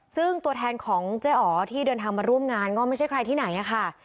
ซึ่งตัวแทนของเจ๊อ๋อที่เดินทางมาร่วมงานก็ไม่ใช่ใครที่ไหนค่ะ